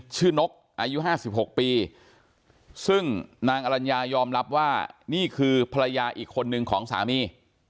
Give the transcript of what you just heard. ชื่อนกอายุห้าสิบหกปีซึ่งนางอลัญญายอมรับว่านี่คือภรรยาอีกคนหนึ่งของสามี